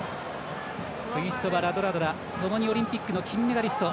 テュイソバ、ラドラドラともにオリンピックの金メダリスト。